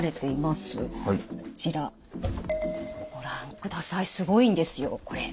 こちらご覧くださいすごいんですよこれ。